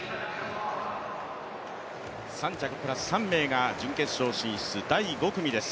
３着プラス３名が準決勝進出、第５組です。